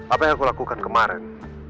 apa yang aku lakukan kemarin